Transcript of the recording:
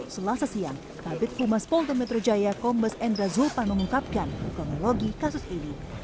selasa siang kabupaten pumas polto metro jaya kombes endra zulpan mengungkapkan ekonologi kasus ini